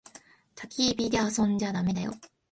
たき火で遊んじゃだめだよ。